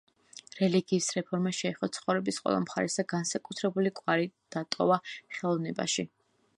რელიგიის რეფორმა შეეხო ცხოვრების ყველა მხარეს და განსაკუთრებული კვალი დატოვა ხელოვნებაში.